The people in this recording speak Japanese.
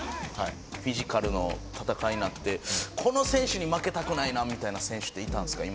フィジカルの戦いになってこの選手に負けたくないなみたいな選手っていたんですか？